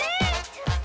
ちょっと！